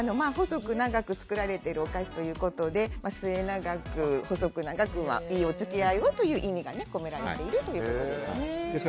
細く長く作られているお菓子ということで末永く、細く長くはいいお付き合いをという意味が込められているということです。